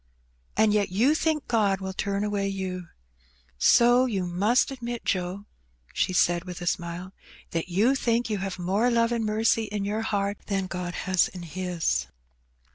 And yet you think God will turn away you. So you must admit, Joe, she said with a smile, '' that you think you have more love and mercy in your heart than God has in His